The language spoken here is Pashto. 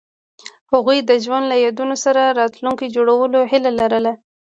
هغوی د ژوند له یادونو سره راتلونکی جوړولو هیله لرله.